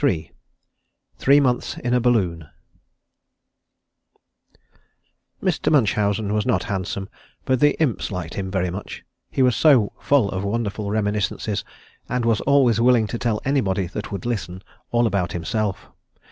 III THREE MONTHS IN A BALLOON Mr. Munchausen was not handsome, but the Imps liked him very much, he was so full of wonderful reminiscences, and was always willing to tell anybody that would listen, all about himself.